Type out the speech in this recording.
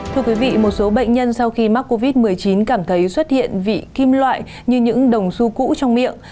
thưa quý vị một số bệnh nhân sau khi mắc covid một mươi chín cảm thấy xuất hiện vị kim loại như những đồng su cũ trong miệng